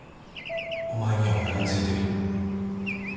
お前には俺が付いてる